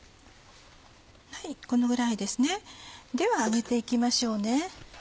このぐらいですねでは揚げて行きましょうね。